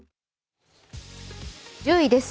１０位です。